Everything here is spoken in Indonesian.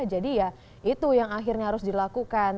jadi ya itu yang akhirnya harus dilakukan